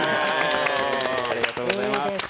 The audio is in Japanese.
ありがとうございます。